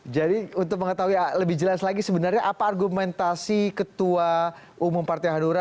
untuk mengetahui lebih jelas lagi sebenarnya apa argumentasi ketua umum partai hanura